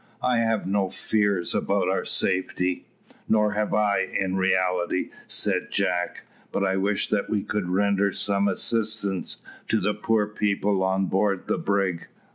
I have no fears about our safety." "Nor have I in reality," said Jack; "but I wish that we could render some assistance to the poor people on board the brig.